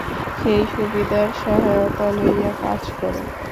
সেই সুবিধার সহায়তা লইয়া কাজ কর।